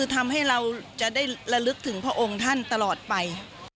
ทำให้เราจะได้ระลึกถึงพระองค์ท่านตลอดไป